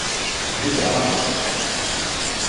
Dieu te le rende!